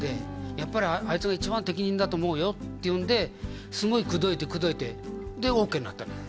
「やっぱりあいつが一番適任だと思うよ」っていうんですごい口説いて口説いてでオーケーになったのよ